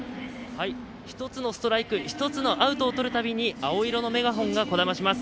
１つのストライク１つのアウトをとるたびに青色のメガホンがこだまします。